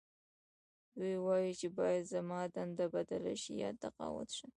دوی وايي چې باید زما دنده بدله شي یا تقاعد شم